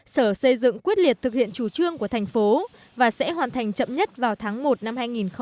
sở xây dựng quyết liệt thực hiện chủ trương của thành phố và sẽ hoàn thành chậm nhất vào tháng một năm hai nghìn hai mươi